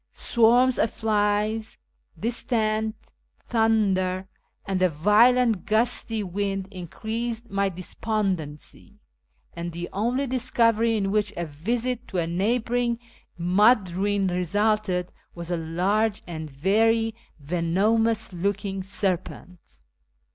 Swarms of flies, distant thunder, and a violent gusty wind increased my despondency ; and the only discovery in which a visit to a neighbouring mud ruin resulted was a large and very venomous looking serpent.